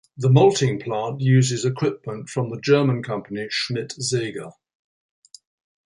The malting plant uses equipment from the German company Schmidt-Seeger.